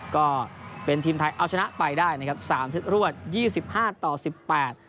ก็เป็นทีมไทยเอาชนะไปได้นะครับสามเซตรวดยี่สิบห้าต่อสิบแปด